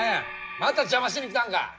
また邪魔しに来たんか！？